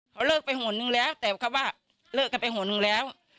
เขาเลิกไปหนนึงแล้วแต่เขาว่าเลิกกันไปหนหนึ่งแล้ว